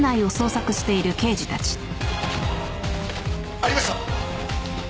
ありました！